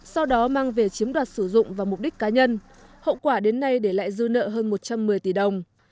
sau đó mang về chiếm đoạt sử dụng vào mục đích cá nhân hậu quả đến nay để lại dư nợ hơn một trăm một mươi tỷ đồng